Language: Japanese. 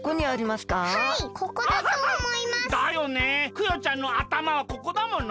クヨちゃんのあたまはここだもの。